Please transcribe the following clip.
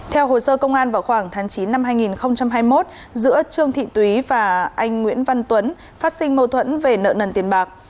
theo hồ sơ công an vào khoảng tháng chín năm hai nghìn hai mươi một giữa trương thị túy và anh nguyễn văn tuấn phát sinh mâu thuẫn về nợ nần tiền bạc